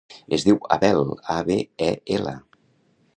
Es diu Abel: a, be, e, ela.